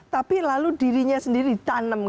tapi lalu dirinya sendiri ditanam